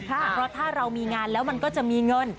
เพราะถ้าเรามีงานแล้วมันก็จะมีเงิน